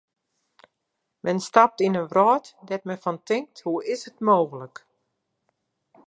Men stapt yn in wrâld dêr't men fan tinkt: hoe is it mooglik.